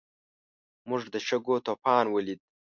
موږ د شګو طوفان ولید.